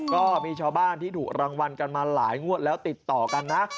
ก็มีชาวบ้านที่ถูกรางวัลกันมาหลายงวดแล้วติดต่อกันนะ